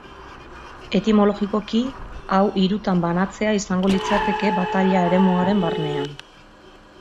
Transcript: Etimologikoki, hau hirutan banatzea izango litzateke bataila-eremuaren barnean.